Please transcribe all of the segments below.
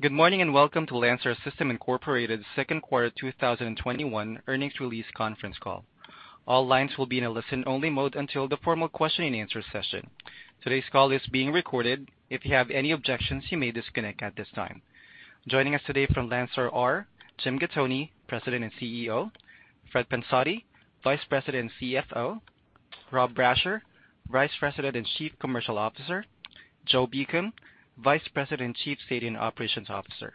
Good morning, and welcome to Landstar System Incorporated's second-quarter 2021 earnings release conference call. All lines will be in a listen-only mode until the formal question and answer session. Today's call is being recorded. If you have any objections, you may disconnect at this time. Joining us today from Landstar are Jim Gattoni, President and CEO; Fred Pensotti, Vice President and CFO; Rob Brasher, Vice President and Chief Commercial Officer; Joe Beacom, Vice President and Chief Safety and Operations Officer.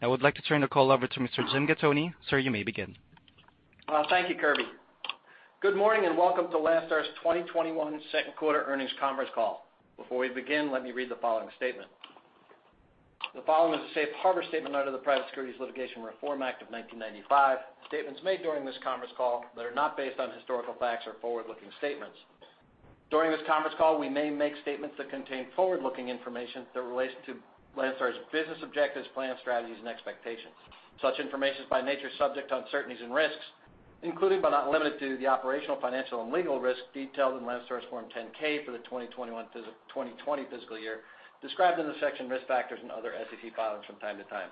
I would like to turn the call over to Mr. Jim Gattoni. Sir, you may begin. Thank you, Kirby. Good morning, and welcome to Landstar's 2021 second-quarter earnings conference call. Before we begin, let me read the following statement. The following is a safe harbor statement under the Private Securities Litigation Reform Act of 1995. Statements made during this conference call that are not based on historical facts are forward-looking statements. During this conference call, we may make statements that contain forward-looking information that relates to Landstar's business objectives, plans, strategies, and expectations. Such information is, by nature, subject to uncertainties and risks, including but not limited to the operational, financial, and legal risks detailed in Landstar's Form 10-K for the 2020 fiscal year, described in the section "Risk Factors" and other SEC filings from time to time.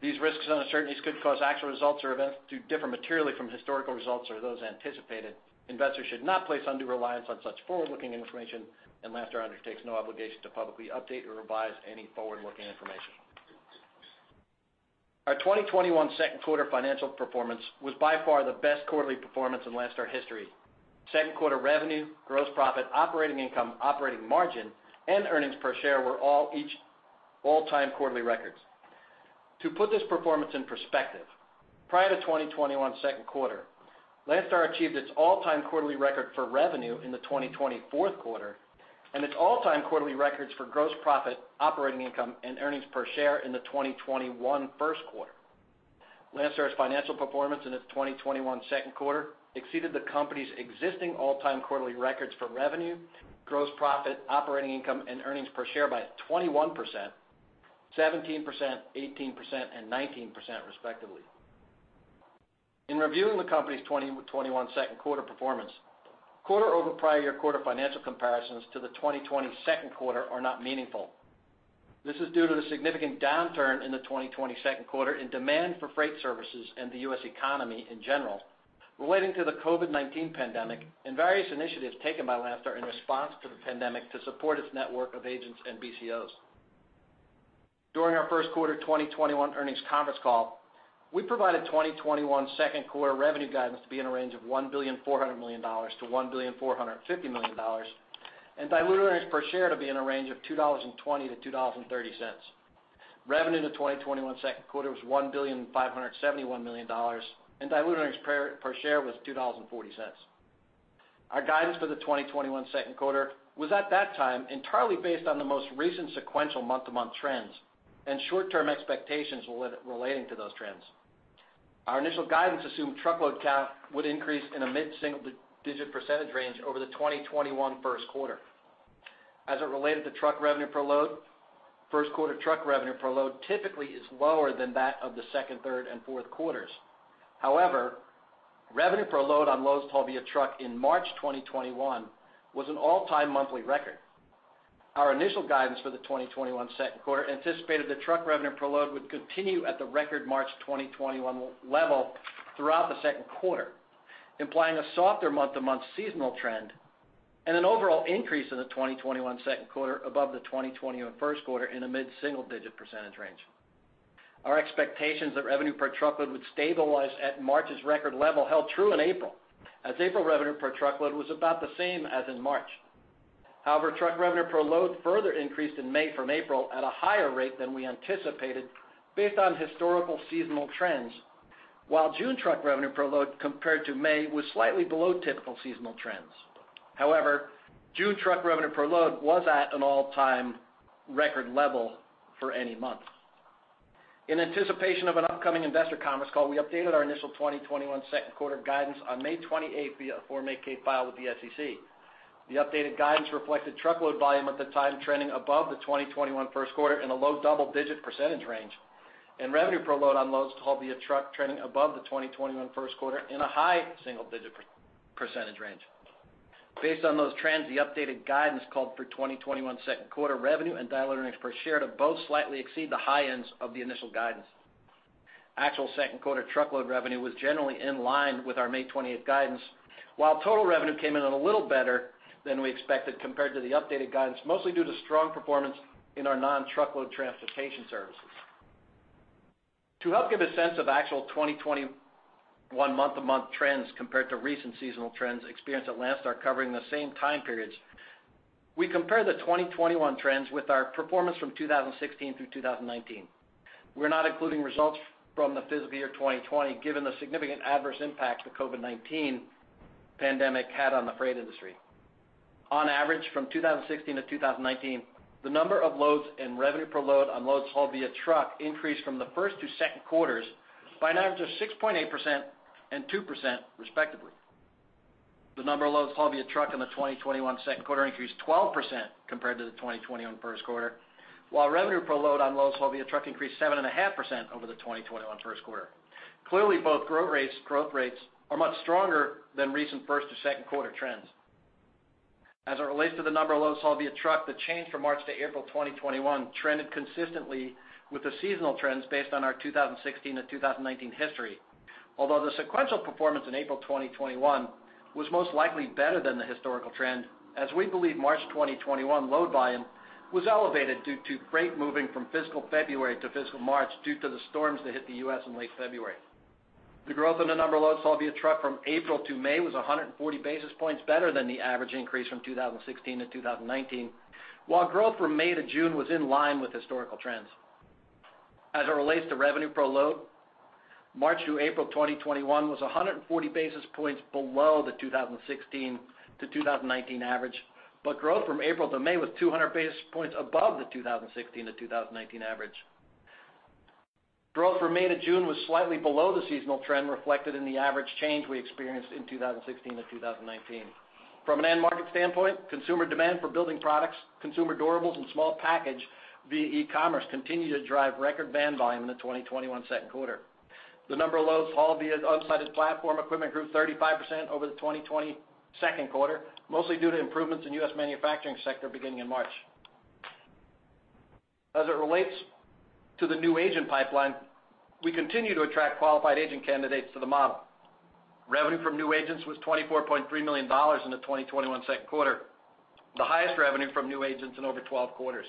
These risks and uncertainties could cause actual results or events to differ materially from historical results or those anticipated. Investors should not place undue reliance on such forward-looking information, and Landstar undertakes no obligation to publicly update or revise any forward-looking information. Our 2021 second-quarter financial performance was by far the best quarterly performance in Landstar's history. Second-quarter revenue, gross profit, operating income, operating margin, and earnings per share were all all-time quarterly records. To put this performance in perspective, prior to the 2021 second quarter, Landstar achieved its all-time quarterly record for revenue in the 2020 fourth quarter, and its all-time quarterly records for gross profit, operating income, and earnings per share in the 2021 first quarter. Landstar's financial performance in its 2021 second quarter exceeded the company's existing all-time quarterly records for revenue, gross profit, operating income, and earnings per share by 21%, 17%, 18%, and 19%, respectively. In reviewing the company's 2021 second-quarter performance, quarter-over-prior-year-quarter financial comparisons to the 2020 second quarter are not meaningful. This is due to the significant downturn in the 2020 second quarter in demand for freight services and the U.S. economy in general, relating to the COVID-19 pandemic and various initiatives taken by Landstar in response to the pandemic to support its network of agents and BCOs. During our first-quarter 2021 earnings conference call, we provided 2021 second-quarter revenue guidance to be in a range of $1.4 billion-$1.45 billion, and diluted earnings per share to be in a range of $2.20-$2.30. Revenue in the 2021 second quarter was $1.571 billion, and diluted earnings per share was $2.40. Our guidance for the 2021 second quarter was at that time entirely based on the most recent sequential month-to-month trends and short-term expectations relating to those trends. Our initial guidance assumed truckload count would increase in a mid-single-digit percentage range over the 2021 first quarter. As it related to truck revenue per load, first-quarter truck revenue per load typically is lower than that of the second, third, and fourth quarters. However, revenue per load on loads hauled via truck in March 2021 was an all-time monthly record. Our initial guidance for the 2021 second quarter anticipated that truck revenue per load would continue at the record March 2021 level throughout the second quarter, implying a softer month-to-month seasonal trend, and an overall increase in the 2021 second quarter above the 2021 first quarter in a mid-single-digit percentage range. Our expectations that revenue per truckload would stabilize at March's record level held true in April, as April revenue per truckload was about the same as in March. Truck revenue per load further increased in May from April at a higher rate than we anticipated based on historical seasonal trends, while June truck revenue per load compared to May was slightly below typical seasonal trends. June truck revenue per load was at an all-time record level for any month. In anticipation of an upcoming investor conference call, we updated our initial 2021 second quarter guidance on May 28th via a Form 8-K filed with the SEC. The updated guidance reflected truckload volume at the time trending above the 2021 first quarter in a low double-digit percentage range, and revenue per load on loads hauled via truck trending above the 2021 first quarter in a high single-digit percentage range. Based on those trends, the updated guidance called for 2021 second-quarter revenue and diluted earnings per share to both slightly exceed the high ends of the initial guidance. Actual second-quarter truckload revenue was generally in line with our May 28th guidance, while total revenue came in a little better than we expected compared to the updated guidance, mostly due to strong performance in our non-truckload transportation services. To help give a sense of actual 2021 month-to-month trends compared to recent seasonal trends experienced at Landstar covering the same time periods, we compare the 2021 trends with our performance from 2016 through 2019. We're not including results from the fiscal year 2020, given the significant adverse impact the COVID-19 pandemic had on the freight industry. On average, from 2016 to 2019, the number of loads and revenue per load on loads hauled via truck increased from the first to second quarters by an average of 6.8% and 2%, respectively. The number of loads hauled via truck in the 2021 second quarter increased 12% compared to the 2021 first quarter, while revenue per load on loads hauled via truck increased 7.5% over the 2021 first quarter. Clearly, both growth rates are much stronger than recent first or second quarter trends. As it relates to the number of loads hauled via truck, the change from March to April 2021 trended consistently with the seasonal trends based on our 2016 to 2019 history. Although the sequential performance in April 2021 was most likely better than the historical trend, we believe March 2021 load volume was elevated due to freight moving from fiscal February to fiscal March due to the storms that hit the U.S. in late February. The growth in the number of loads hauled via truck from April to May was 140 basis points better than the average increase from 2016-2019, while growth from May to June was in line with historical trends. As it relates to revenue per load, March through April 2021 was 140 basis points below the 2016-2019 average. Growth from April to May was 200 basis points above the 2016-2019 average. Growth from May to June was slightly below the seasonal trend reflected in the average change we experienced in 2016-2019. From an end market standpoint, consumer demand for building products, consumer durables, and small packages via e-commerce continued to drive record van volume in the 2021 second quarter. The number of loads hauled via the on-site platform equipment grew 35% over the 2020 second quarter, mostly due to improvements in the U.S. manufacturing sector beginning in March. As it relates to the new agent pipeline, we continue to attract qualified agent candidates to the model. Revenue from new agents was $24.3 million in the 2021 second quarter, the highest revenue from new agents in over 12 quarters.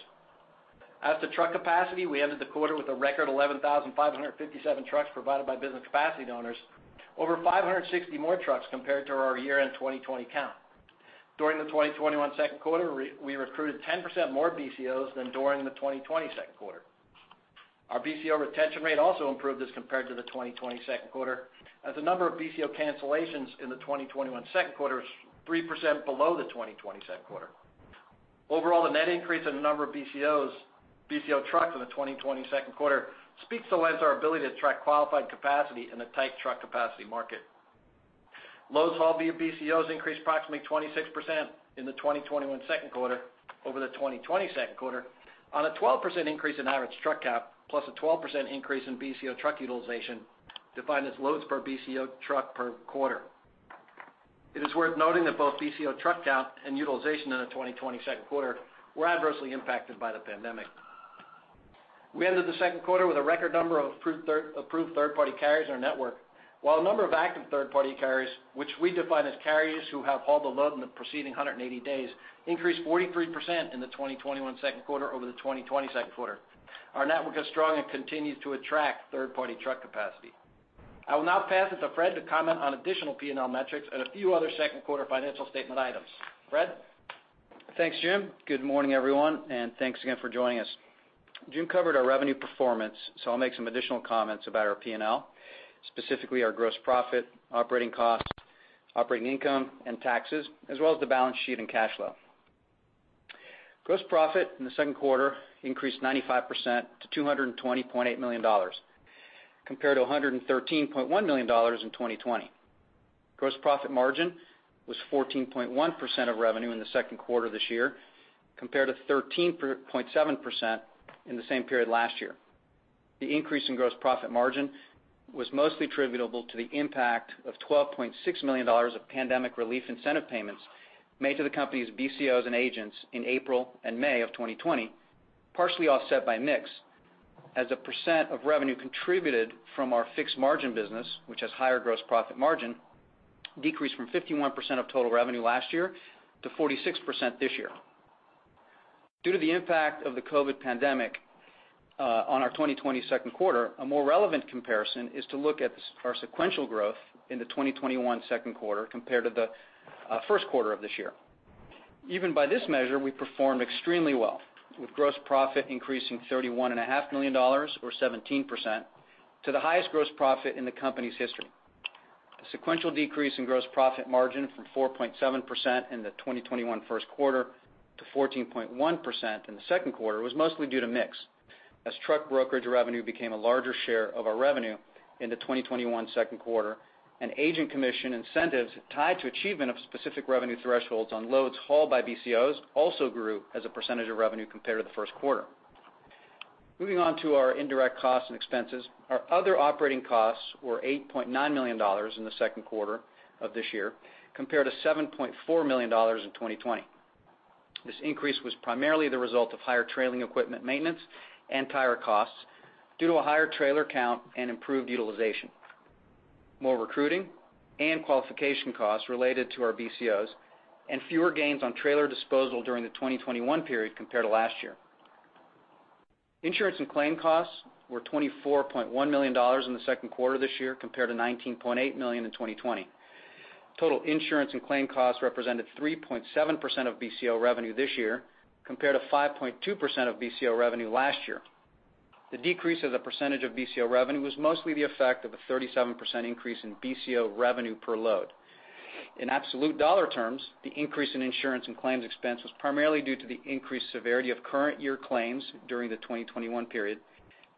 As to truck capacity, we ended the quarter with a record 11,557 trucks provided by Business Capacity Owners, over 560 more trucks compared to our year-end 2020 count. During the 2021 second quarter, we recruited 10% more BCOs than during the 2020 second quarter. Our BCO retention rate also improved compared to the 2020 second quarter, as the number of BCO cancellations in the 2021 second quarter is 3% below the 2020 second quarter. Overall, the net increase in the number of BCO trucks in the 2020 second quarter speaks to our ability to attract qualified capacity in a tight truck capacity market. Loads hauled via BCOs increased approximately 26% in the 2021 second quarter over the 2020 second quarter, on a 12% increase in average truck count, plus a 12% increase in BCO truck utilization, defined as loads per BCO truck per quarter. It is worth noting that both BCO truck count and utilization in the 2020 second quarter were adversely impacted by the pandemic. We ended the second quarter with a record number of approved third-party carriers in our network. While the number of active third-party carriers, which we define as carriers who have hauled a load in the preceding 180 days, increased 43% in the 2021 second quarter over the 2020 second quarter, our network is strong and continues to attract third-party truck capacity. I will now pass it to Fred to comment on additional P&L metrics and a few other second-quarter financial statement items. Fred? Thanks, Jim. Good morning, everyone, and thanks again for joining us. Jim covered our revenue performance, so I'll make some additional comments about our P&L, specifically our gross profit, operating costs, operating income, and taxes, as well as the balance sheet and cash flow. Gross profit in the second quarter increased 95% to $220.8 million, compared to $113.1 million in 2020. Gross profit margin was 14.1% of revenue in the second quarter of this year, compared to 13.7% in the same period last year. The increase in gross profit margin was mostly attributable to the impact of $12.6 million of pandemic relief incentive payments made to the company's BCOs and agents in April and May of 2020, partially offset by mix, as a percent of revenue contributed from our fixed margin business, which has higher gross profit margin, decreased from 51% of total revenue last year to 46% this year. Due to the impact of the COVID-19 pandemic on our 2020 second quarter, a more relevant comparison is to look at our sequential growth in the 2021 second quarter compared to the first quarter of this year. Even by this measure, we performed extremely well, with gross profit increasing $31.5 million or 17% to the highest gross profit in the company's history. A sequential decrease in gross profit margin from 4.7% in the 2021 first quarter to 14.1% in the second quarter was mostly due to mix, as truck brokerage revenue became a larger share of our revenue in the 2021 second quarter. Agent commission incentives tied to achievement of specific revenue thresholds on loads hauled by BCOs also grew as a percentage of revenue compared to the first quarter. Moving on to our indirect costs and expenses. Our other operating costs were $8.9 million in the second quarter of this year, compared to $7.4 million in 2020. This increase was primarily the result of higher trailer equipment maintenance and tire costs due to a higher trailer count and improved utilization, more recruiting and qualification costs related to our BCOs, and fewer gains on trailer disposal during the 2021 period compared to last year. Insurance and claim costs were $24.1 million in the second quarter this year, compared to $19.8 million in 2020. Total insurance and claim costs represented 3.7% of BCO revenue this year, compared to 5.2% of BCO revenue last year. The decrease as a percentage of BCO revenue was mostly the effect of a 37% increase in BCO revenue per load. In absolute dollar terms, the increase in insurance and claims expense was primarily due to the increased severity of current year claims during the 2021 period,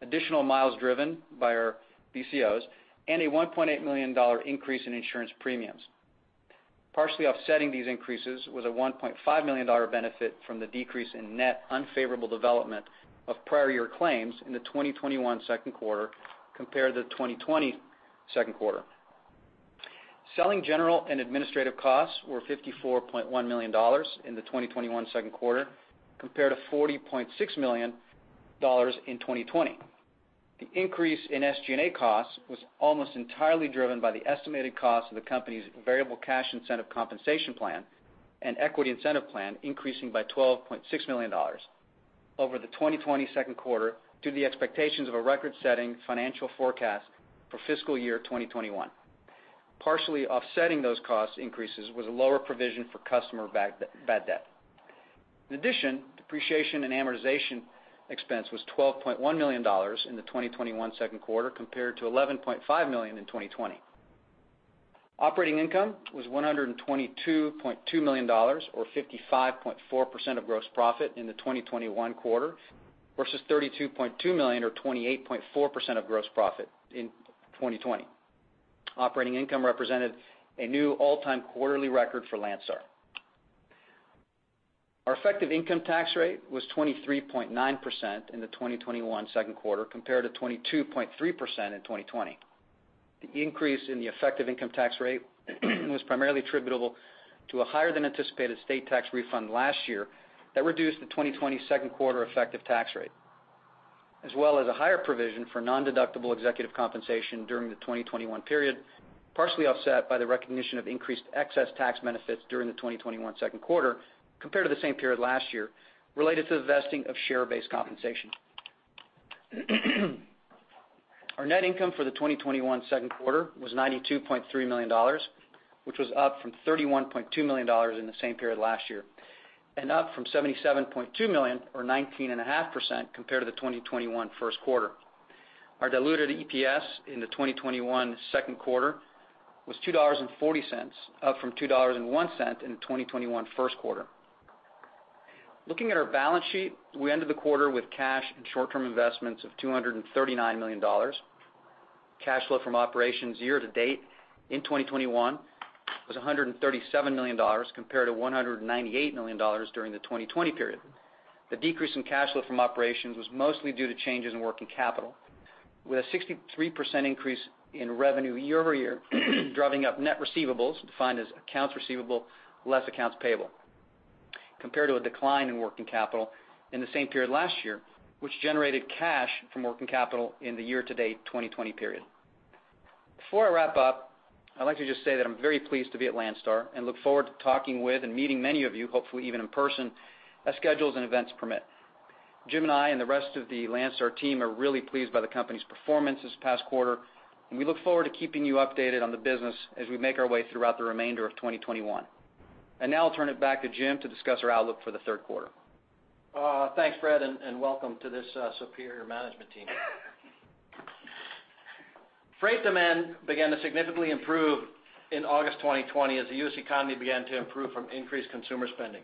additional miles driven by our BCOs, and a $1.8 million increase in insurance premiums. Partially offsetting these increases was a $1.5 million benefit from the decrease in net unfavorable development of prior year claims in the 2021 second quarter compared to the 2020 second quarter. Selling, general, and administrative costs were $54.1 million in the 2021 second quarter, compared to $40.6 million in 2020. The increase in SG&A costs was almost entirely driven by the estimated cost of the company's variable cash incentive compensation plan and equity incentive plan, increasing by $12.6 million over the 2020 second quarter due to the expectations of a record-setting financial forecast for fiscal year 2021. Partially offsetting those cost increases was a lower provision for customer bad debt. In addition, depreciation and amortization expense was $12.1 million in the 2021 second quarter, compared to $11.5 million in 2020. Operating income was $122.2 million, or 55.4% of gross profit in the 2021 quarter versus $32.2 million or 28.4% of gross profit in 2020. Operating income represented a new all-time quarterly record for Landstar. Our effective income tax rate was 23.9% in the 2021 second quarter, compared to 22.3% in 2020. The increase in the effective income tax rate was primarily attributable to a higher than anticipated state tax refund last year that reduced the 2020 second quarter effective tax rate, as well as a higher provision for nondeductible executive compensation during the 2021 period, partially offset by the recognition of increased excess tax benefits during the 2021 second quarter compared to the same period last year, related to the vesting of share-based compensation. Our net income for the 2021 second quarter was $92.3 million, which was up from $31.2 million in the same period last year, and up from $77.2 million or 19.5% compared to the 2021 first quarter. Our diluted EPS in the 2021 second quarter was $2.40, up from $2.01 in the 2021 first quarter. Looking at our balance sheet, we ended the quarter with cash and short-term investments of $239 million. Cash flow from operations year-to-date in 2021 was $137 million compared to $198 million during the 2020 period. The decrease in cash flow from operations was mostly due to changes in working capital, with a 63% increase in revenue year-over-year driving up net receivables, defined as accounts receivable less accounts payable, compared to a decline in working capital in the same period last year, which generated cash from working capital in the year-to-date 2020 period. Before I wrap up, I'd like to just say that I'm very pleased to be at Landstar and look forward to talking with and meeting many of you, hopefully even in person, as schedules and events permit. Jim and I and the rest of the Landstar team are really pleased by the company's performance this past quarter, and we look forward to keeping you updated on the business as we make our way throughout the remainder of 2021. Now I'll turn it back to Jim to discuss our outlook for the third quarter. Thanks, Fred, and welcome to this senior management team. Freight demand began to significantly improve in August 2020 as the U.S. economy began to improve from increased consumer spending.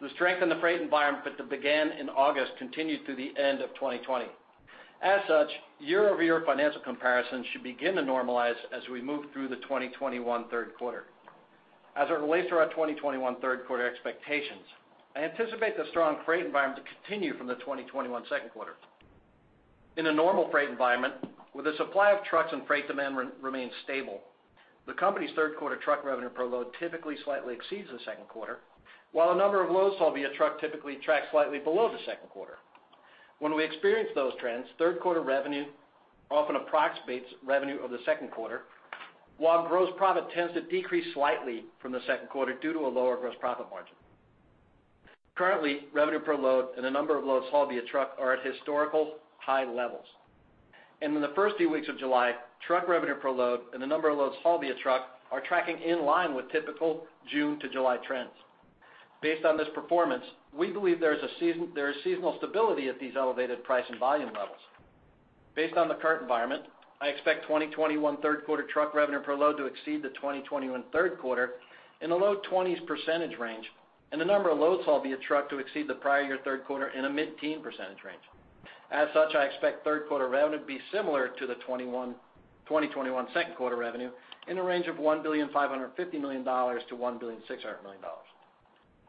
The strength in the freight environment that began in August continued through the end of 2020. Year-over-year financial comparisons should begin to normalize as we move through the 2021 third quarter. As it relates to our 2021 third-quarter expectations, I anticipate the strong freight environment to continue from the 2021 second quarter. In a normal freight environment, where the supply of trucks and freight demand remain stable, the company's third-quarter truck revenue per load typically slightly exceeds the second quarter, while the number of loads hauled via truck typically tracks slightly below the second quarter. When we experience these trends, third-quarter revenue often approximates the revenue of the second quarter, while gross profit tends to decrease slightly from the second quarter due to a lower gross profit margin. Currently, revenue per load and the number of loads hauled via truck are at historically high levels. In the first few weeks of July, truck revenue per load and the number of loads hauled via truck are tracking in line with typical June to July trends. Based on this performance, we believe there is seasonal stability at these elevated price and volume levels. Based on the current environment, I expect 2021 third-quarter truck revenue per load to exceed the 2021 third quarter in the low 20s% range, and the number of loads hauled via truck to exceed the prior year's third quarter in a mid-teen% range. As such, I expect third-quarter revenue to be similar to the 2021 second-quarter revenue, in the range of $1,550,000,000-$1,600,000,000.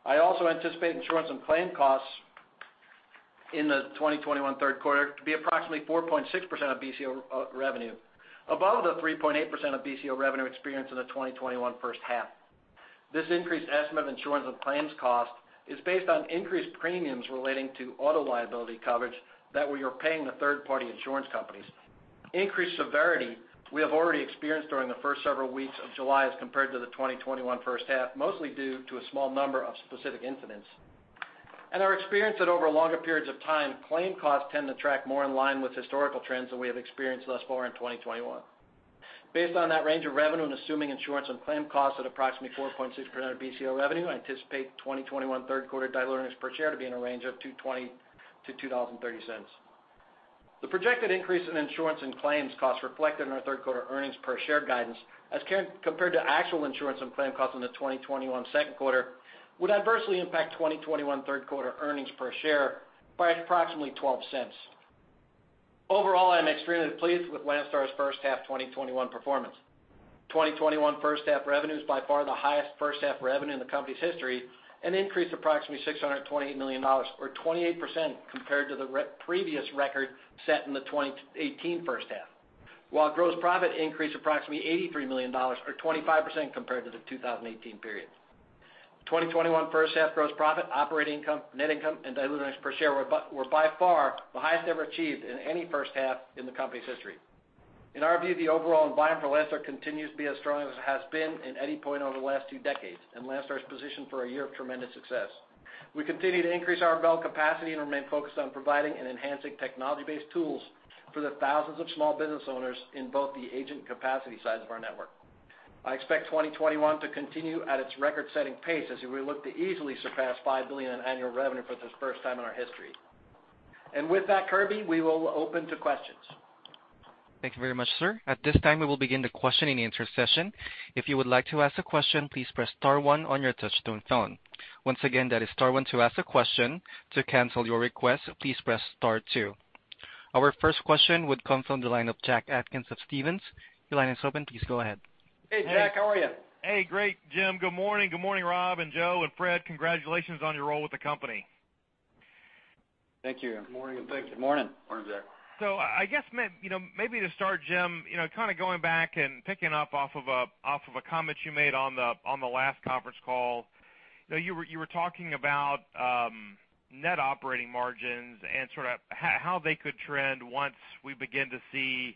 I also anticipate insurance and claim costs in the 2021 third quarter to be approximately 4.6% of BCO revenue, above the 3.8% of BCO revenue experienced in the first half of 2021. This increased estimate of insurance and claims cost is based on increased premiums relating to auto liability coverage that we are paying the third-party insurance companies. We have already experienced increased severity during the first several weeks of July compared to the first half of 2021, mostly due to a small number of specific incidents. Our experience is that over longer periods of time, claim costs tend to track more in line with historical trends than we have experienced thus far in 2021. Based on that range of revenue and assuming insurance and claim costs at approximately 4.6% of BCO revenue, I anticipate 2021 third-quarter diluted earnings per share to be in a range of $2.20-$2.30. The projected increase in insurance and claims costs reflected in our third-quarter earnings per share guidance, as compared to actual insurance and claim costs in the 2021 second quarter, would adversely impact 2021 third-quarter earnings per share by approximately $0.12. Overall, I'm extremely pleased with Landstar's first-half 2021 performance. 2021 first-half revenue is by far the highest first-half revenue in the company's history, an increase of approximately $628 million or 28% compared to the previous record set in the 2018 first half, while gross profit increased approximately $83 million or 25% compared to the 2018 period. The 2021 first-half gross profit, operating income, net income, and diluted earnings per share were by far the highest ever achieved in any first half in the company's history. In our view, the overall environment for Landstar continues to be as strong as it has been at any point over the last two decades, and Landstar is positioned for a year of tremendous success. We continue to increase our BCO capacity and remain focused on providing and enhancing technology-based tools for the thousands of small business owners on both the agent and capacity sides of our network. I expect 2021 to continue at its record-setting pace as we look to easily surpass $5 billion in annual revenue for the first time in our history. With that, Kirby, we will open for questions. Thank you very much, sir. At this time, we will begin the question and answer session. If you would like to ask a question, please press star one on your touch-tone phone. Once again, that is star one to ask a question. To cancel your request, please press star two. Our first question will come from the line of Jack Atkins of Stephens. Your line is open. Please go ahead. Hey, Jack. How are you? Hey, great, Jim. Good morning. Good morning, Rob and Joe and Fred. Congratulations on your role with the company. Thank you. Good morning. Good morning. Morning, Jack. I guess to start, Jim, kind of going back and picking up off of a comment you made on the last conference call. You were talking about net operating margins and sort of how they could trend once we begin to see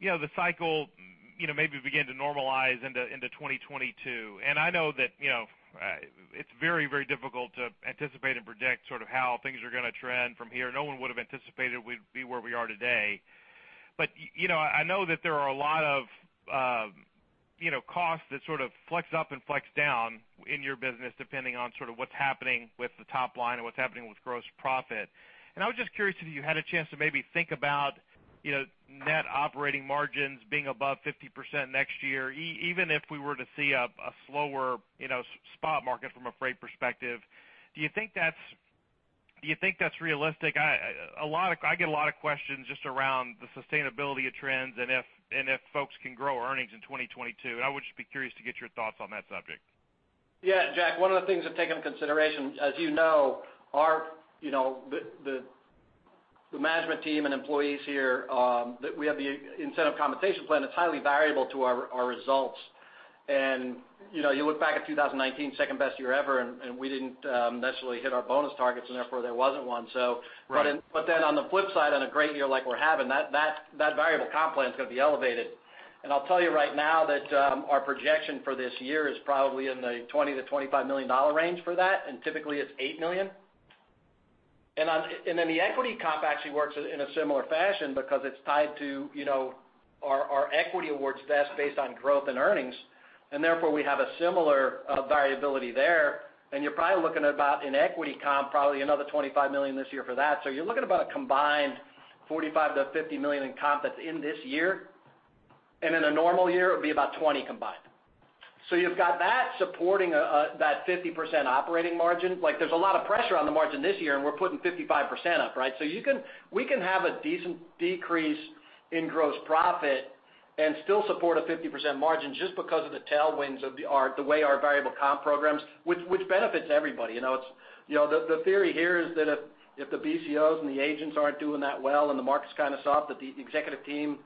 the cycle maybe begin to normalize into 2022. I know that it's very difficult to anticipate and predict sort of how things are going to trend from here. No one would have anticipated we'd be where we are today. I know that there are a lot of costs that sort of flex up and flex down in your business depending on what's happening with the top line and what's happening with gross profit. I was just curious if you had a chance to maybe think about net operating margins being above 50% next year, even if we were to see a slower spot market from a freight perspective. Do you think that's realistic? I get a lot of questions just around the sustainability of trends and if folks can grow earnings in 2022. I would just be curious to get your thoughts on that subject. Yeah, Jack, one of the things I've taken into consideration, as you know, the management team and employees here, we have the incentive compensation plan that's highly variable to our results. You look back at 2019, our second-best year ever, and we didn't necessarily hit our bonus targets, and therefore there wasn't one. Right. On the flip side, in a great year like we're having, that variable compensation plan is going to be elevated. I'll tell you right now that our projection for this year is probably in the $20 million-$25 million range for that, and typically it's $8 million. The equity compensation actually works in a similar fashion because it's tied to our equity awards vesting based on growth and earnings, and therefore we have similar variability there. You're probably looking at about an equity compensation of another $25 million this year for that. You're looking at about a combined $45 million-$50 million in compensation that's in this year. In a normal year, it would be about $20 million combined. You've got that supporting that 50% operating margin. There's a lot of pressure on the margin this year, and we're putting 55% up. We can have a decent decrease in gross profit and still support a 50% margin just because of the tailwinds of our variable comp programs, which benefits everybody. The theory here is that if the BCOs and the agents aren't doing that well and the market is kind of soft, the executive team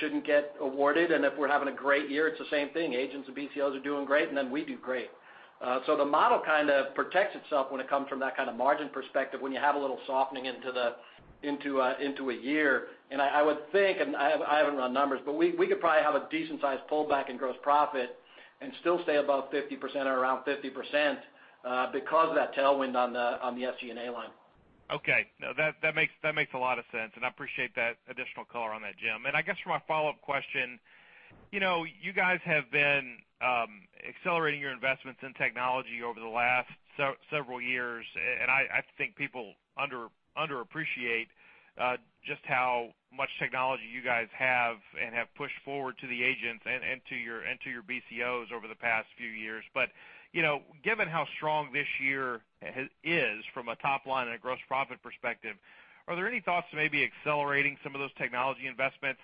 shouldn't get awarded. If we're having a great year, it's the same thing. Agents and BCOs are doing great, and then we do great. The model kind of protects itself when it comes from that kind of margin perspective when you have a little softening in a year. I would think, and I haven't run numbers, but we could probably have a decent-sized pullback in gross profit and still stay above 50% or around 50% because of that tailwind on the SG&A line. Okay. No, that makes a lot of sense, and I appreciate that additional color on that, Jim. I guess for my follow-up question, you guys have been accelerating your investments in technology over the last several years, and I think people underappreciate just how much technology you guys have and have pushed forward to the agents and to your BCOs over the past few years. Given how strong this year is from a top-line and a gross profit perspective, are there any thoughts to maybe accelerating some of those technology investments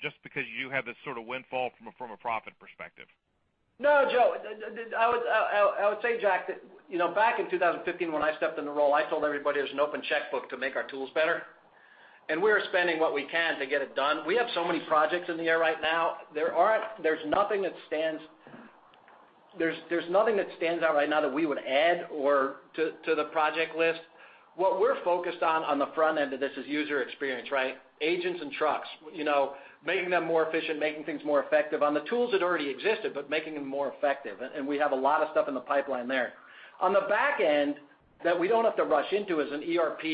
just because you have this sort of windfall from a profit perspective? No, Joe. I would say, Jack, that back in 2015 when I stepped in the role, I told everybody there's an open checkbook to make our tools better, and we are spending what we can to get it done. We have so many projects in the air right now. There's nothing that stands out right now that we would add to the project list. What we're focused on the front end of this is user experience, agents and trucks. Making them more efficient, making things more effective on the tools that already existed, but making them more effective, and we have a lot of stuff in the pipeline there. On the back end that we don't have to rush into is an ERP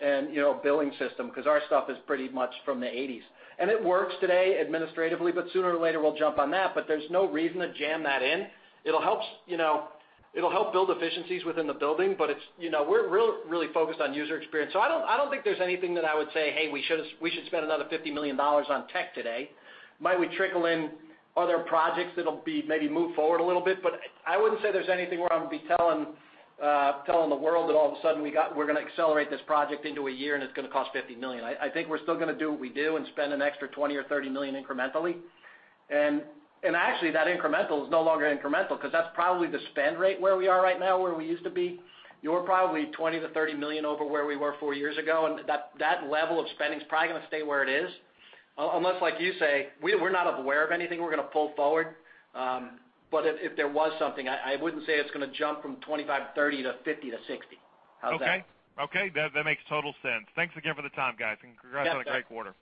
and billing system because our stuff is pretty much from the '80s, and it works today administratively, but sooner or later, we'll jump on that. There's no reason to jam that in. It'll help build efficiencies within the building, but we're really focused on user experience. I don't think there's anything that I would say, "Hey, we should spend another $50 million on tech today." Might we trickle in other projects that'll be maybe moved forward a little bit, but I wouldn't say there's anything where I'm going to be telling the world that all of a sudden we're going to accelerate this project into a year and it's going to cost $50 million. I think we're still going to do what we do and spend an extra $20 or $30 million incrementally. Actually, that incremental is no longer incremental because that's probably the spend rate where we are right now, where we used to be. You are probably $20 million-$30 million over where we were 4 years ago, and that level of spending is probably going to stay where it is. Unless, like you say, we're not aware of anything we're going to pull forward. But if there was something, I wouldn't say it's going to jump from $25, $30 to $50 to $60. How's that? Okay. That makes total sense. Thanks again for the time, guys. Yes, sir. Congrats on a great quarter.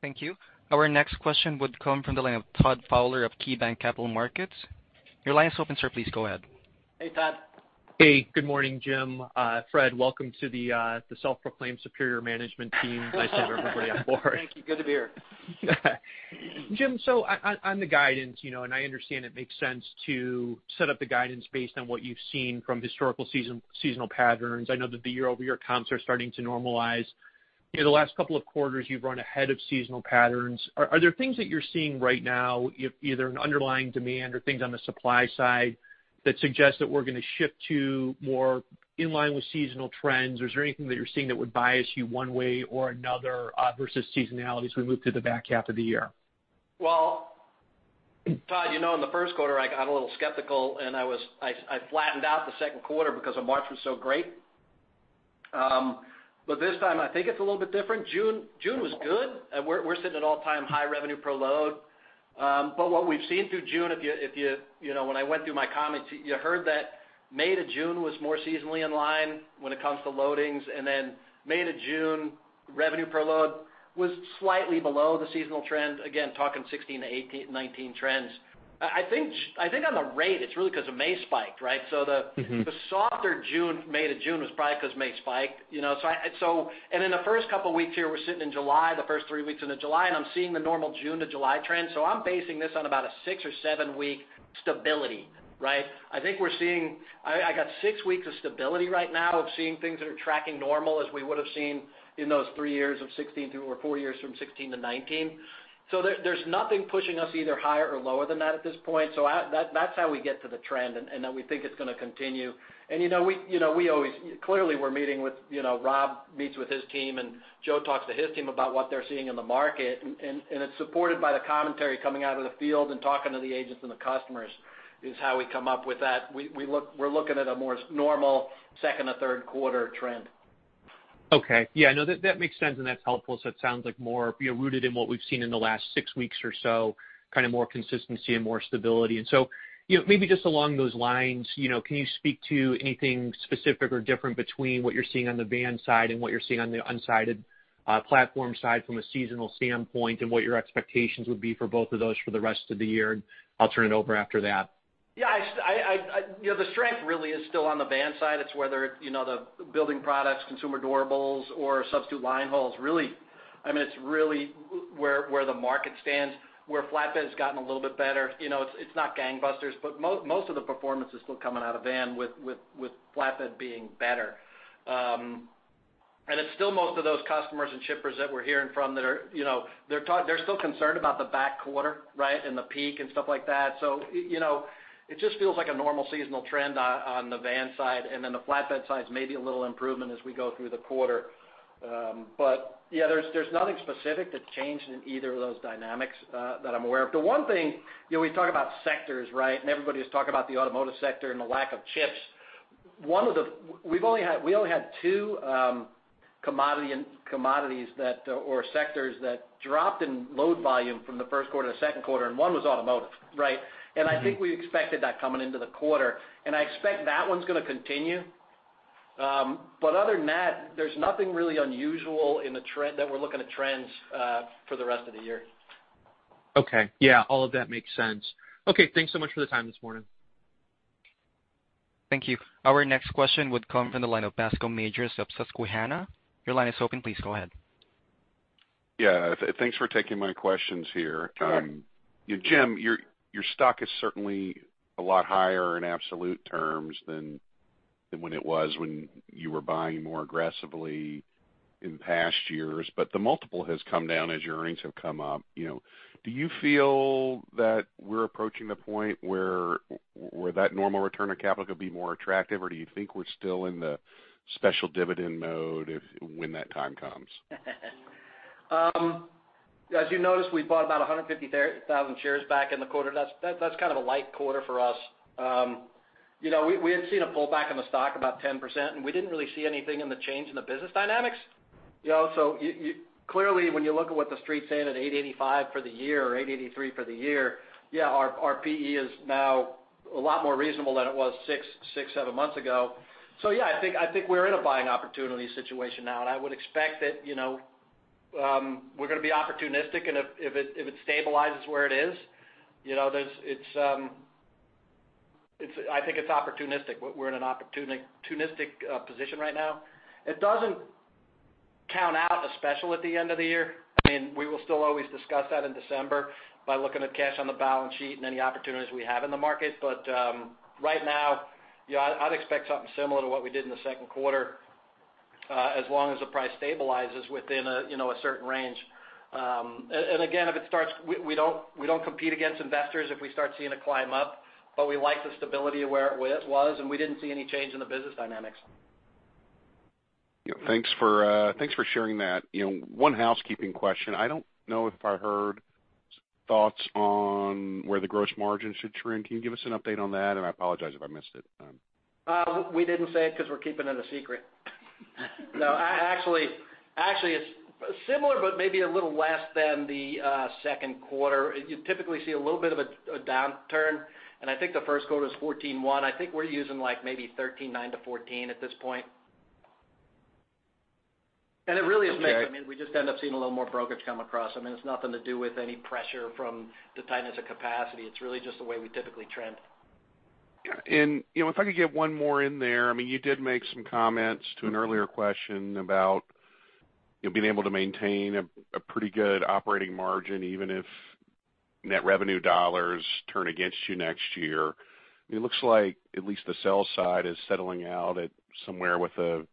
Thank you. Our next question would come from the line of Todd Fowler of KeyBanc Capital Markets. Your line is open, sir. Please go ahead. Hey, Todd. Hey, good morning, Jim. Fred, welcome to the self-proclaimed superior management team. Nice to have everybody on board. Thank you. Good to be here. Jim, on the guidance, and I understand it makes sense to set up the guidance based on what you've seen from historical seasonal patterns. I know that the year-over-year comps are starting to normalize. In the last couple of quarters, you've run ahead of seasonal patterns. Are there things that you're seeing right now, either in underlying demand or things on the supply side, that suggest that we're going to shift to more in line with seasonal trends, or is there anything that you're seeing that would bias you one way or another versus seasonality as we move through the back half of the year? Todd, in the 1st quarter, I got a little skeptical, and I flattened out the 2nd quarter because March was so great. This time, I think it's a little bit different. June was good. We're sitting at all-time high revenue per load. What we've seen through June, when I went through my comments, you heard that May to June was more seasonally in line when it comes to loadings. Then May to June revenue per load was slightly below the seasonal trend. Again, talking 2016 to 2018, 2019 trends. I think on the rate, it's really because of May spiked, right? The softer June, May to June was probably because May spiked. In the first couple of weeks here, we're sitting in July, the first 3 weeks into July, and I'm seeing the normal June to July trend. I'm basing this on about a 6 or 7-week stability, right? I got 6 weeks of stability right now of seeing things that are tracking normal as we would have seen in those 3 years of 2016 through, or 4 years from 2016 to 2019. There's nothing pushing us either higher or lower than that at this point. That's how we get to the trend, and then we think it's going to continue. Clearly we're meeting with Rob, meets with his team, and Joe talks to his team about what they're seeing in the market. It's supported by the commentary coming out of the field and talking to the agents and the customers is how we come up with that. We're looking at a more normal second or third quarter trend. Okay. Yeah, no, that makes sense, and that's helpful. It sounds like more rooted in what we've seen in the last six weeks or so, kind of more consistency and more stability. Maybe just along those lines, can you speak to anything specific or different between what you're seeing on the van side and what you're seeing on the platform side from a seasonal standpoint, and what your expectations would be for both of those for the rest of the year? I'll turn it over after that. Yeah. The strength really is still on the van side. It's whether the building products, consumer durables, or substitute line hauls, really. It's really where the market stands, where flatbed's gotten a little bit better. Most of the performance is still coming out of van with flatbed being better. It's still most of those customers and shippers that we're hearing from that are still concerned about the back quarter, right, and the peak and stuff like that. It just feels like a normal seasonal trend on the van side, and then the flatbed side is maybe a little improvement as we go through the quarter. Yeah, there's nothing specific that changed in either of those dynamics that I'm aware of. The one thing, we talk about sectors, right? Everybody is talking about the automotive sector and the lack of chips. We only had two commodities or sectors that dropped in load volume from the first quarter to second quarter, and one was automotive, right? I think we expected that coming into the quarter, and I expect that one's going to continue. Other than that, there's nothing really unusual in the trend that we're looking at trends for the rest of the year. Okay. Yeah, all of that makes sense. Okay, thanks so much for the time this morning. Thank you. Our next question would come from the line of Bascome Majors of Susquehanna. Your line is open. Please go ahead. Yeah. Thanks for taking my questions here. Sure. Jim, your stock is certainly a lot higher in absolute terms than when it was when you were buying more aggressively in past years, but the multiple has come down as your earnings have come up. Do you feel that we're approaching the point where that normal return of capital could be more attractive, or do you think we're still in the special dividend mode when that time comes? As you noticed, we bought about 150,000 shares back in the quarter. That's kind of a light quarter for us. We had seen a pullback in the stock about 10%, and we didn't really see anything in the change in the business dynamics. Clearly, when you look at what the Street's saying at $8.85 for the year or $8.83 for the year, yeah, our PE is now a lot more reasonable than it was six, seven months ago. Yeah, I think we're in a buying opportunity situation now, and I would expect that we're going to be opportunistic, and if it stabilizes where it is, I think it's opportunistic. We're in an opportunistic position right now. It doesn't count out a special at the end of the year. We will still always discuss that in December by looking at cash on the balance sheet and any opportunities we have in the market. Right now, I'd expect something similar to what we did in the second quarter. As long as the price stabilizes within a certain range. Again, we don't compete against investors if we start seeing it climb up, but we like the stability of where it was, and we didn't see any change in the business dynamics. Yeah. Thanks for sharing that. One housekeeping question. I don't know if I heard thoughts on where the gross margin should trend. Can you give us an update on that? I apologize if I missed it. We didn't say it because we're keeping it a secret. No, actually, it's similar, but maybe a little less than the second quarter. You typically see a little bit of a downturn. I think the first quarter was 14.1%. I think we're using maybe 13.9%-14% at this point. It really is mixed. I mean, we just end up seeing a little more brokerage come across. I mean, it's nothing to do with any pressure from the tightness of capacity. It's really just the way we typically trend. If I could get 1 more in there. You did make some comments to an earlier question about being able to maintain a pretty good operating margin, even if net revenue dollars turn against you next year. It looks like at least the sell side is settling out at somewhere with a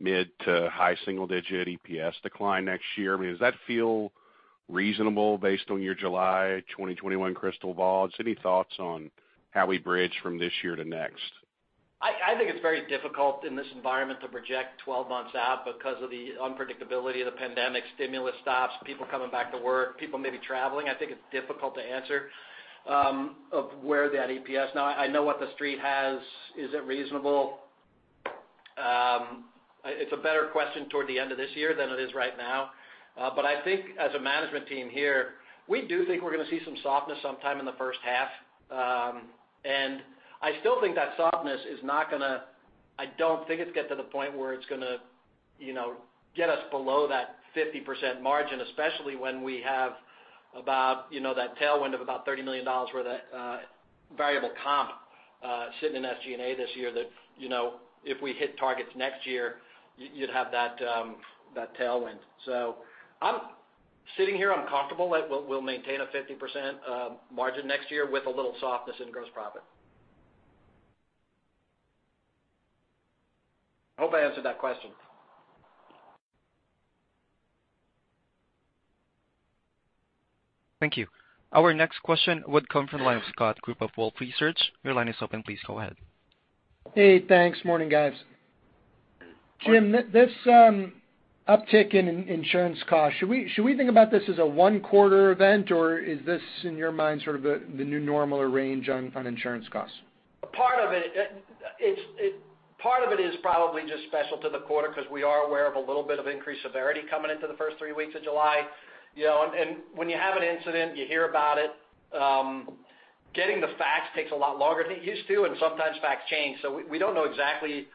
mid to high single-digit EPS decline next year. I mean, does that feel reasonable based on your July 2021 crystal ball? Just any thoughts on how we bridge from this year to next? I think it's very difficult in this environment to project 12 months out because of the unpredictability of the pandemic, stimulus stops, people coming back to work, people maybe traveling. I think it's difficult to answer of where that EPS Now, I know what the street has. Is it reasonable? It's a better question toward the end of this year than it is right now. I think as a management team here, we do think we're going to see some softness sometime in the first half. I still think that softness is not going to I don't think it's get to the point where it's going to get us below that 50% margin, especially when we have that tailwind of about $30 million worth of variable comp sitting in SG&A this year, that if we hit targets next year, you'd have that tailwind. Sitting here, I'm comfortable that we'll maintain a 50% margin next year with a little softness in gross profit. Hope I answered that question. Thank you. Our next question would come from the line of Scott Group of Wolfe Research. Your line is open. Please go ahead. Hey, thanks. Morning, guys. Morning. Jim, this uptick in insurance costs, should we think about this as a 1-quarter event, or is this, in your mind, sort of the new normal range on insurance costs? Part of it is probably just special to the quarter because we are aware of a little bit of increased severity coming into the first 3 weeks of July. When you have an incident, you hear about it. Getting the facts takes a lot longer than it used to, and sometimes facts change. We don't know exactly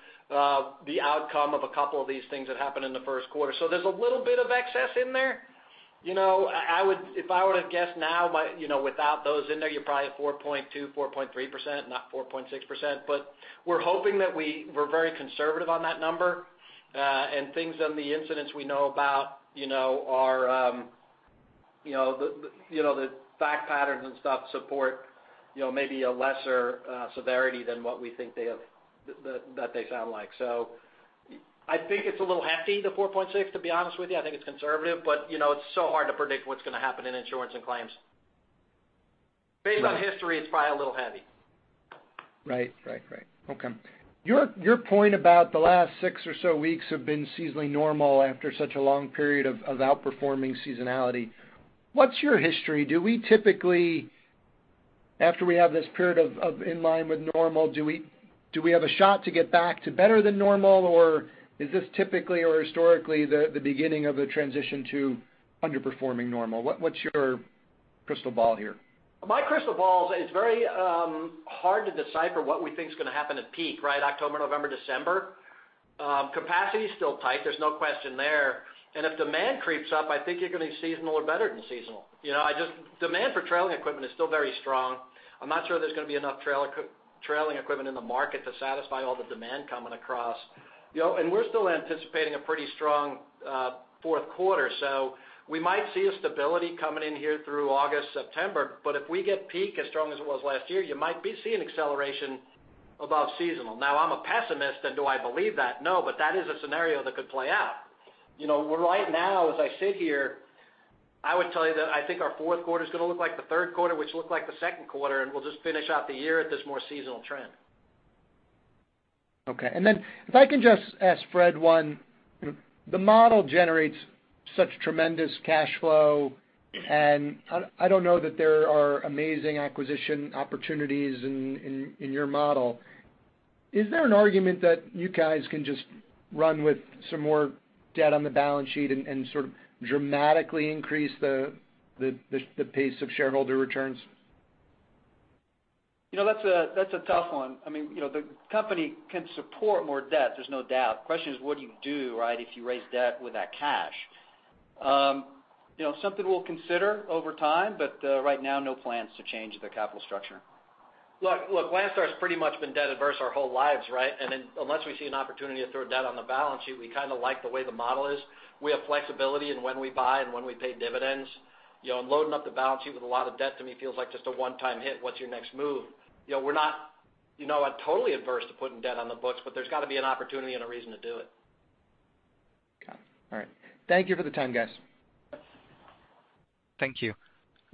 the outcome of a couple of these things that happened in the 1st quarter. There's a little bit of excess in there. If I were to guess now, without those in there, you're probably at 4.2%-4.3%, not 4.6%. We're hoping that we're very conservative on that number, and things on the incidents we know about, the fact patterns and stuff support maybe a lesser severity than what we think that they sound like. I think it's a little hefty, the 4.6%, to be honest with you. I think it's conservative, but it's so hard to predict what's going to happen in insurance and claims. Based on history, it's probably a little heavy. Right. Okay. Your point about the last 6 or so weeks have been seasonally normal after such a long period of outperforming seasonality, what's your history? Do we typically, after we have this period of in line with normal, do we have a shot to get back to better than normal, or is this typically or historically the beginning of a transition to underperforming normal? What's your crystal ball here? My crystal ball makes it very hard to decipher what we think is going to happen at peak, October, November, December. Capacity is still tight; there's no question there. If demand creeps up, I think you're going to see seasonal or better-than-seasonal demand. Demand for trailing equipment is still very strong. I'm not sure there's going to be enough trailing equipment in the market to satisfy all the demand coming across. We're still anticipating a pretty strong fourth quarter. We might see some stability coming in here through August and September, but if we get a peak as strong as it was last year, you might be seeing acceleration above seasonal. Now, I'm a pessimist, and do I believe that? No, but that is a scenario that could play out. Right now, as I sit here, I would tell you that I think our fourth quarter is going to look like the third quarter, which looked like the second quarter, and we'll just finish out the year at this more seasonal trend. Okay. If I can just ask Fred one. The model generates such tremendous cash flow, and I don't know that there are amazing acquisition opportunities in your model. Is there an argument that you guys can just run with some more debt on the balance sheet and sort of dramatically increase the pace of shareholder returns? That's a tough one. I mean, the company can support more debt, there's no doubt. The question is, what do you do if you raise debt with that cash? Something we'll consider over time, but right now, no plans to change the capital structure. Look, Landstar has pretty much been debt-averse our whole lives. Unless we see an opportunity to throw debt on the balance sheet, we kind of like the way the model is. We have flexibility in when we buy and when we pay dividends. Loading up the balance sheet with a lot of debt, to me, feels like just a one-time hit. What's your next move? I'm totally adverse to putting debt on the books, but there's got to be an opportunity and a reason to do it. Got it. All right. Thank you for the time, guys. Thank you.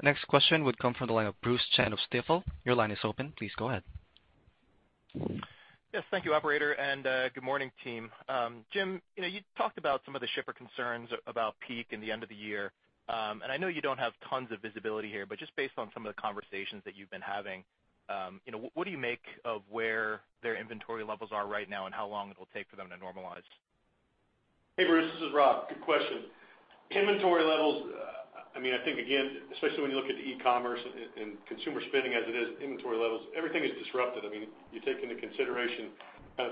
Next question would come from the line of Bruce Chan of Stifel. Your line is open. Please go ahead. Yes, thank you, operator, and good morning, team. Jim, you talked about some of the shippers' concerns about peak at the end of the year. I know you don't have tons of visibility here, but just based on some of the conversations that you've been having, what do you make of where their inventory levels are right now, and how long will it take for them to normalize? Hey, Bruce. This is Rob. Good question. Inventory levels, I think again, especially when you look at e-commerce and consumer spending as it is, inventory levels, everything is disrupted. You take into consideration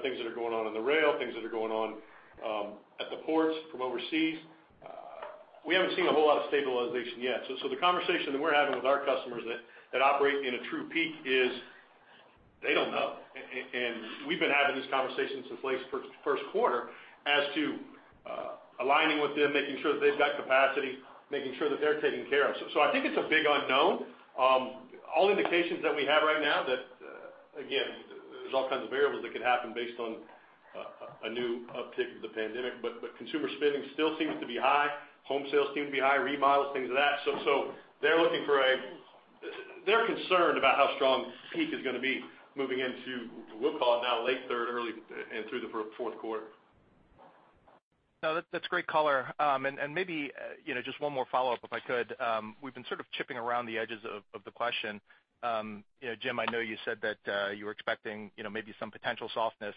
things that are going on with the rail, things that are going on at the ports from overseas. We haven't seen a whole lot of stabilization yet. The conversation that we're having with our customers that operate in a true peak is they don't know. We've been having this conversation since late first quarter as to aligning with them, making sure that they've got capacity, making sure that they're taken care of. I think it's a big unknown. All indications that we have right now are that, again, there are all kinds of variables that could happen based on a new uptick of the pandemic; consumer spending still seems to be high. Home sales seem to be high, remodels, things of that. They're concerned about how strong peak is going to be moving into, we'll call it now late third, early and through the fourth quarter. No, that's a great color. Maybe just one more follow-up, if I could. We've been sort of chipping around the edges of the question. Jim, I know you said that you were expecting maybe some potential softness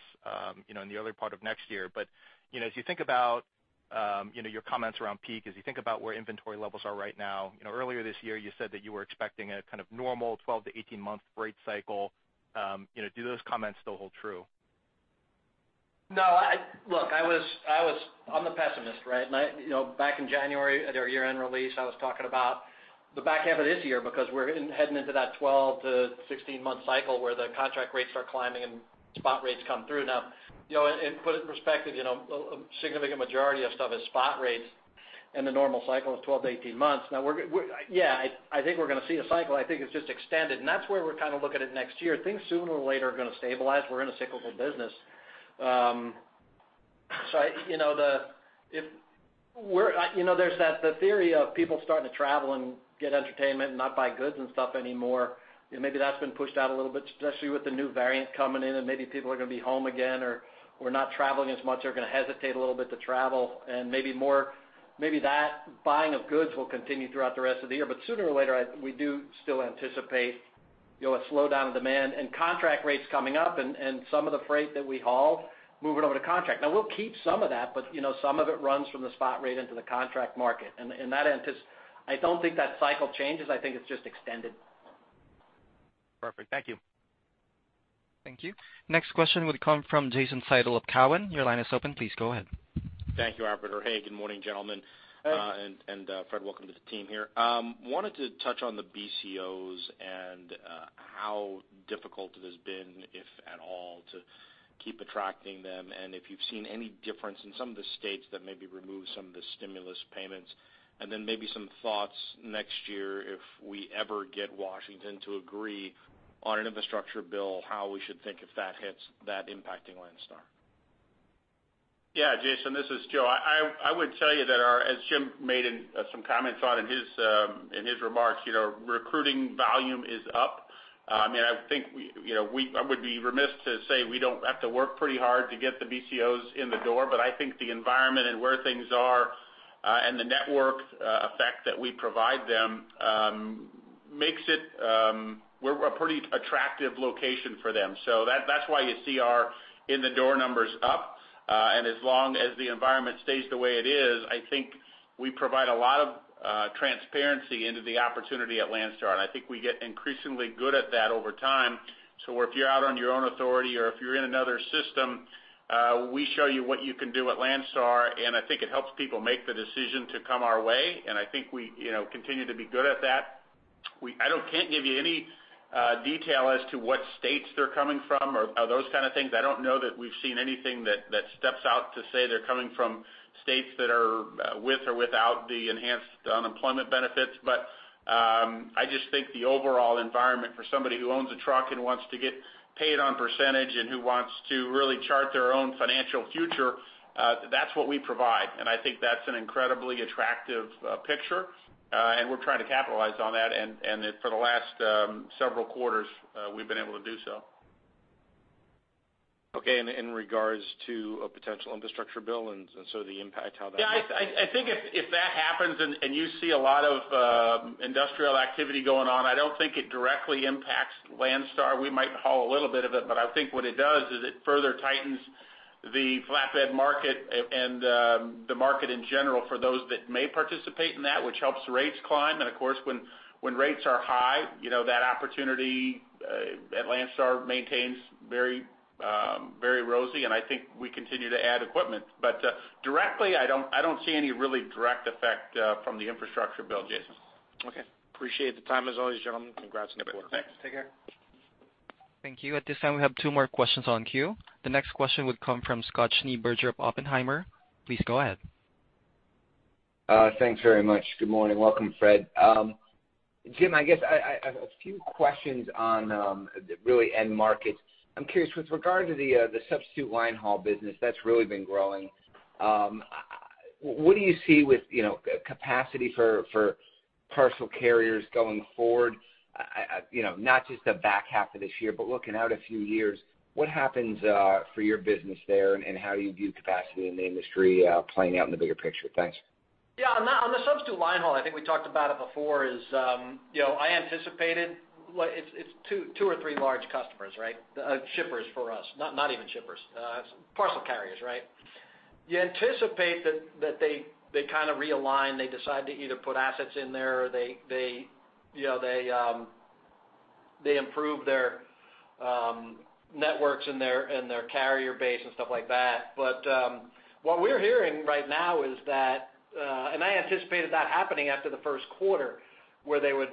in the early part of next year. As you think about your comments around peak, as you think about where inventory levels are right now, earlier this year you said that you were expecting a kind of normal 12-18 month rate cycle. Do those comments still hold true? No. Look, I'm the pessimist. Back in January at our year-end release, I was talking about the back half of this year because we're heading into that 12- to 16-month cycle where the contract rates are climbing and spot rates come through. Now, to put it in perspective, a significant majority of stuff is spot rates, and the normal cycle is 12-18 months. Yeah, I think we're going to see a cycle. I think it's just extended. That's where we're kind of looking at next year. Sooner or later, things are going to stabilize. We're in a cyclical business. There's the theory of people starting to travel and get entertainment and not buy goods and stuff anymore. Maybe that's been pushed out a little bit, especially with the new variant coming in, and maybe people are going to be home again or not traveling as much, or are going to hesitate a little bit to travel, and maybe that buying of goods will continue throughout the rest of the year. Sooner or later, we do still anticipate a slowdown of demand and contract rates coming up, and some of the freight that we haul moving over to contract. Now we'll keep some of that, but some of it runs from the spot rate into the contract market. I don't think that cycle changes. I think it's just extended. Perfect. Thank you. Thank you. Next question would come from Jason Seidl of Cowen. Your line is open. Please go ahead. Thank you, operator. Hey, good morning, gentlemen. Hey. Fred, welcome to the team. I wanted to touch on the BCOs and how difficult it has been, if at all, to keep attracting them, and if you've seen any difference in some of the states that may have removed some of the stimulus payments. Perhaps you have some thoughts on next year, if we ever get Washington to agree on an infrastructure bill, and how we should think about that impacting Landstar. Jason, this is Joe. I would tell you that, as Jim commented in his remarks, our recruiting volume is up. I would be remiss if I didn't say we have to work pretty hard to get the BCOs in the door, but I think the environment and where things are, and the network effect that we provide them, makes us a pretty attractive location for them. That's why you see our in-the-door numbers up. As long as the environment stays the way it is, I think we provide a lot of transparency into the opportunity at Landstar, and I think we get increasingly good at that over time. If you're out on your own authority or if you're in another system, we show you what you can do at Landstar, and I think it helps people make the decision to come our way, and I think we continue to be good at that. I can't give you any detail as to what states they're coming from or those kinds of things. I don't know that we've seen anything that steps out to say they're coming from states that are with or without the enhanced unemployment benefits. I just think the overall environment for somebody who owns a truck and wants to get paid on percentage and who wants to really chart their own financial future, that's what we provide. I think that's an incredibly attractive picture. We're trying to capitalize on that, and for the last several quarters, we've been able to do so. Okay. In regards to a potential infrastructure bill, the impact how that. Yeah, I think if that happens and you see a lot of industrial activity going on, I don't think it directly impacts Landstar. We might haul a little bit of it, but I think what it does is it further tightens the flatbed market and the market in general for those that may participate in that, which helps rates climb. Of course, when rates are high, that opportunity at Landstar remains very rosy, and I think we continue to add equipment. Directly, I don't see any really direct effect from the infrastructure bill, Jason. Okay. Appreciate the time as always, gentlemen. Congrats on the quarter. Thanks. Take care. Thank you. At this time, we have two more questions in the queue. The next question will come from Scott Schneeberger of Oppenheimer. Please go ahead. Thanks very much. Good morning. Welcome, Fred. Jim, I guess I have a few questions on end markets. I'm curious, with regard to the substitute line haul business that's really been growing, what do you see with capacity for parcel carriers going forward? Not just the back half of this year, but looking out a few years, what happens for your business there, and how do you view capacity in the industry playing out in the bigger picture? Thanks. Yeah. On the substitute linehaul, I think we talked about it before: I anticipated it's two or three large customers, right? Shippers for us. Not even shippers, parcel carriers, right? You anticipate that they kind of realign, they decide to either put assets in there, or they improve their networks and their carrier base and stuff like that. What we're hearing right now is that, and I anticipated that happening after the first quarter, where they would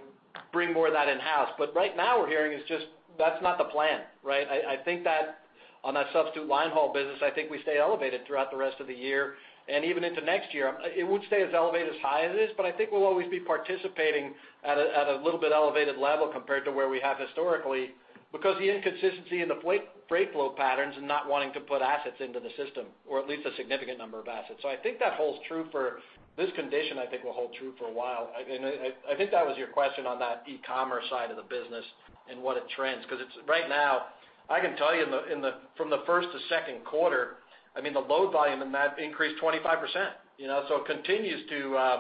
bring more of that in-house. Right now, what we're hearing is just, that's not the plan, right? I think that on that substitute linehaul business, I think we stay elevated throughout the rest of the year, and even into next year. It would stay as elevated as it is, but I think we'll always be participating at a slightly more elevated level compared to where we have historically. This is due to the inconsistency in freight flow patterns and the reluctance to add a significant number of assets to the system. I believe that holds true for this condition and will continue to hold true for a while. I think that was your question regarding the e-commerce side of the business and its trends. Because right now, I can tell you that from the first to second quarter, the load volume in that increased by 25%. It continues to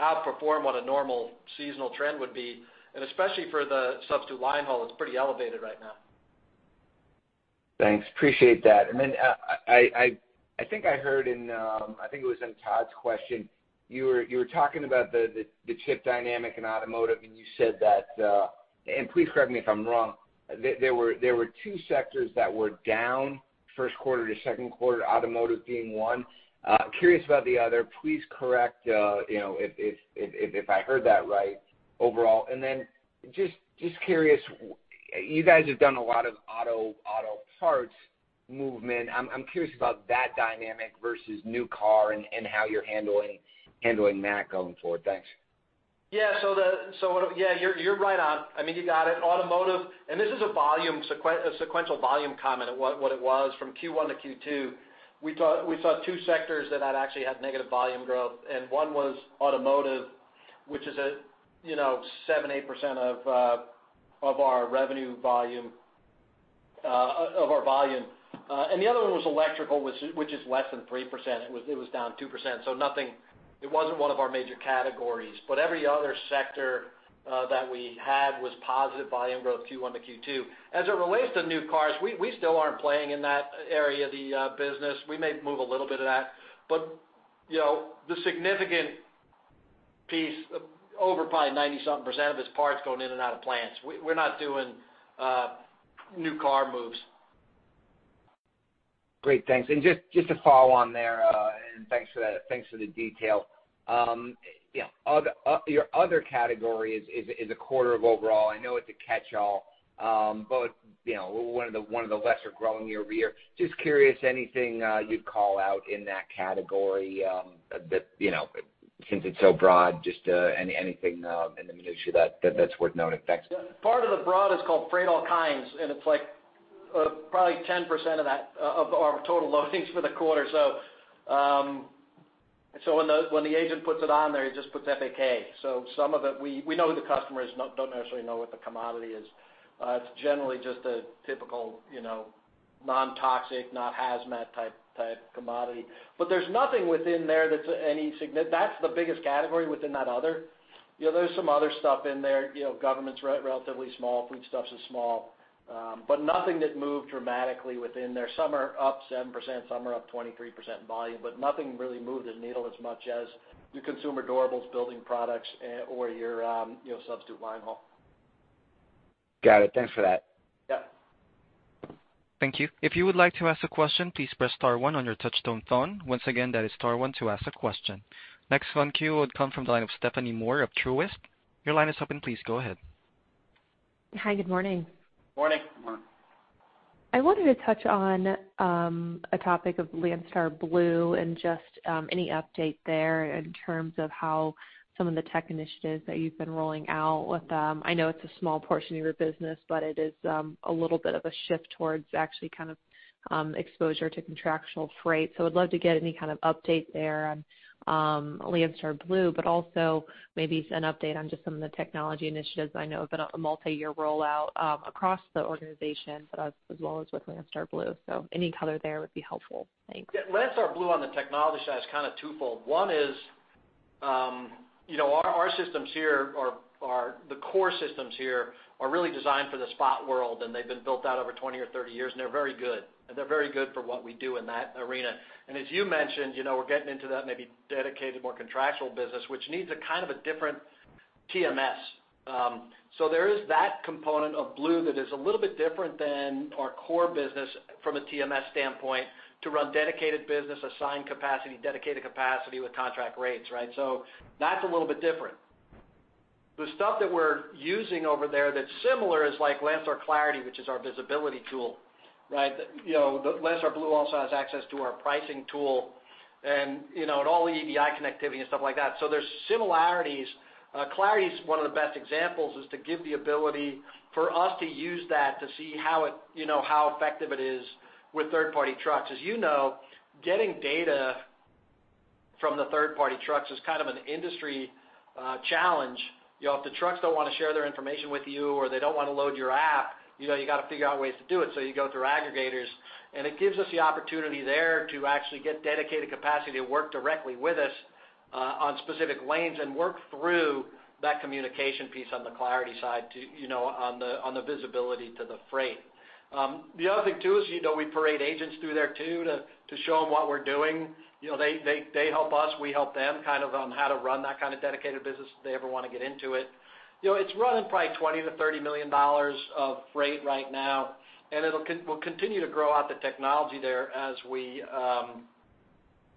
outperform what a normal seasonal trend would be, and especially for substitute linehaul, it's pretty elevated right now. Thanks. I appreciate that. I think I heard in, I think it was in Todd's question, you were talking about the chip dynamic in automotive, and you said that, and please correct me if I'm wrong, there were two sectors that were down first quarter to second quarter, automotive being one. I'm curious about the other. Please correct me if I heard that right overall. Just curious, you guys have done a lot of auto parts movement. I'm curious about that dynamic versus new car and how you're handling that going forward. Thanks. Yeah, you're right on. You got it. Automotive, this is a sequential volume comment of what it was from Q1 to Q2. We saw two sectors that actually had negative volume growth. One was automotive, which is 7% to 8% of our revenue volume, of our volume. The other one was electrical, which is less than 3%. It was down 2%, so it wasn't one of our major categories. Every other sector that we had was positive volume growth from Q1 to Q2. As it relates to new cars, we still aren't playing in that area of the business. We may move a little bit of that. The significant piece, probably over 90-something percent of it, is parts going in and out of plants. We're not doing new car moves. Great. Thanks. Just to follow on there. Thanks for the detail. Your "other" category is a quarter of the overall. I know it's a catch-all, and one of the lesser-growing year-over-year. Just curious, is there anything you'd call out in that category since it's so broad, anything in the industry that's worth noting? Thanks. Part of the broad category is called freight all kinds; it's probably like 10% of our total loadings for the quarter. When the agent puts it on there, he just puts FAK. For some of it, we know who the customer is but don't necessarily know what the commodity is. It's generally just a typical non-toxic, non-hazmat-type commodity. There's nothing within there that's significant. That's the biggest category within that other. There's some other stuff in there. Government is relatively small, and foodstuffs are small. Nothing moved dramatically within there. Some are up 7%, some are up 23% in volume, but nothing really moved the needle as much as your consumer durables, building products, or your substitute linehaul. Got it. Thanks for that. Yeah. Thank you. If you would like to ask a question, please press star one on your touch-tone phone. Once again, that is star one to ask a question. The next one in the queue will come from the line of Stephanie Moore of Truist. Your line is open. Please go ahead. Hi. Good morning. Morning. Morning. I wanted to touch on the topic of Landstar Blue and get an update on the tech initiatives you've been rolling out with them. I know it's a small portion of your business, but it represents a shift towards exposure to contractual freight. I'd love an update on Landstar Blue, and also on your technology initiatives in general. I know there's a multi-year rollout across the organization, including with Landstar Blue. Any information would be helpful. Thanks. Yeah. Landstar Blue on the technology side is kind of twofold. One is our systems here, the core systems here, are really designed for the spot world. They've been built out over 20 or 30 years. They're very good. They're very good for what we do in that arena. As you mentioned, we're getting into that maybe dedicated, more contractual business, which needs a kind of a different TMS. There is that component of Blue that is a little bit different than our core business from a TMS standpoint to run dedicated business, assigned capacity, dedicated capacity with contract rates, right? That's a little bit different. The stuff that we're using over there that's similar is like Landstar Clarity™, which is our visibility tool, right? Landstar Blue also has access to our pricing tool and all the EDI connectivity and stuff like that. There are similarities. Clarity is one of the best examples, as it gives us the ability to see how effective it is with third-party trucks. As you know, getting data from third-party trucks is kind of an industry challenge. If the trucks don't want to share their information with you or they don't want to load your app, you have to figure out ways to do it, so you go through aggregators. It gives us the opportunity there to actually get dedicated capacity to work directly with us on specific lanes and work through that communication piece on the Clarity side, on the visibility to the freight. The other thing, too, is we parade agents through there to show them what we're doing. They help us, and we help them with how to run that kind of dedicated business if they ever want to get into it. It's running probably $20 million-$30 million of freight right now. We'll continue to grow the technology there as we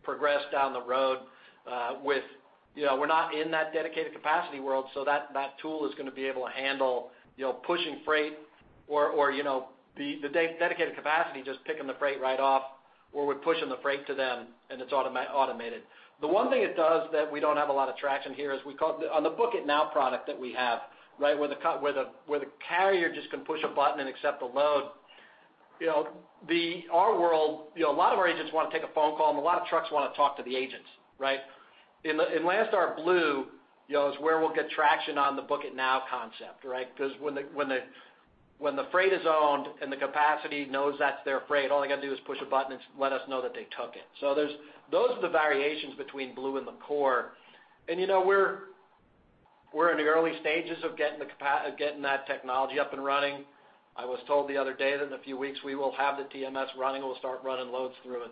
progress down the road. We're not in that dedicated capacity world, so that tool is going to be able to handle pushing freight, or the dedicated capacity just picking the freight right off, or we're pushing the freight to them and it's automated. The one thing it does that we don't have a lot of traction with here is what we call our "Book It Now" product, where the carrier can just push a button and accept a load. A lot of our agents want to take phone calls, and a lot of trucks want to talk to the agents, right? Landstar Blue is where we'll get traction on the Book It Now concept. When the freight is owned and the capacity knows that's their freight, all they have to do is push a button and let us know that they took it. Those are the variations between Blue and the core. We're in the early stages of getting that technology up and running. I was told the other day that in a few weeks we will have the TMS running. We'll start running loads through it.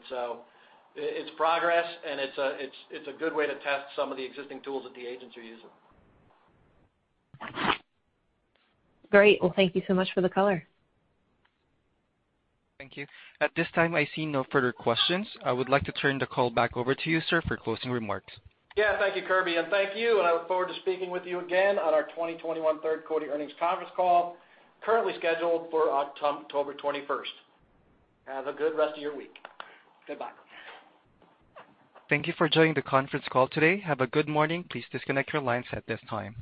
It's progress, and it's a good way to test some of the existing tools that the agents are using. Great. Well, thank you so much for the color. Thank you. At this time, I see no further questions. I would like to turn the call back over to you, sir, for closing remarks. Yeah, thank you, Kirby, and thank you. I look forward to speaking with you again on our 2021 third-quarter earnings conference call, currently scheduled for October 21st. Have a good rest of your week. Goodbye. Thank you for joining the conference call today. Have a good morning. Please disconnect your lines at this time.